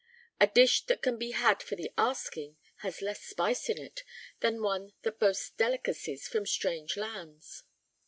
A dish that can be had for the asking has less spice in it than one that boasts delicacies from strange lands.